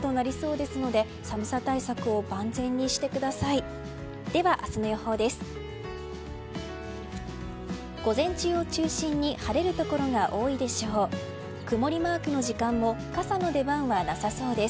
では、明日の予報です。